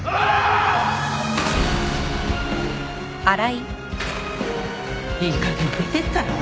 いいかげん出てったら？